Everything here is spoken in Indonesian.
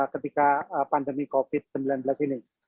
ketika pandemi covid sembilan belas ini